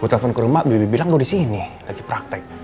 gue telepon ke rumah bibi bilang gue disini lagi praktek